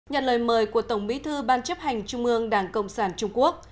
nhận lời mời của tổng bí thư ban chấp hành trung ương đảng cộng sản trung quốc